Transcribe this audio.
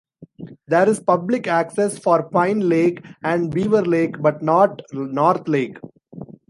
There is public access for Pine Lake and Beaver Lake, but not North Lake.